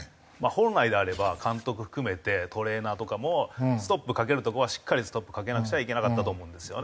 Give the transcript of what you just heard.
本来であれば監督含めてトレーナーとかもストップかけるとこはしっかりストップかけなくちゃいけなかったと思うんですよね。